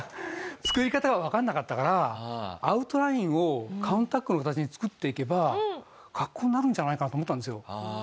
作り方がわからなかったからアウトラインをカウンタックの形に作っていけば格好になるんじゃないかなと思ったんですよ。